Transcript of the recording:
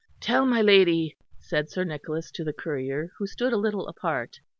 "Tell my lady," said Sir Nicholas to the courier, who stood a little apart.